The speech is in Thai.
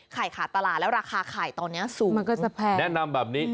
ไข่ขาดตลาดแล้วราคาไข่ตอนนี้สูงมันก็จะแพงแนะนำแบบนี้